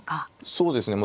そうですね。